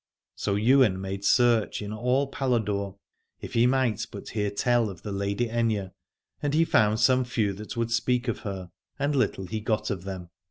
So Ywain made search in all Paladore, if he might but hear tell of the Lady Aithne : and he found some few that would speak of her, and little he got of them.